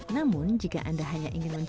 namun jika anda hanya ingin mencoba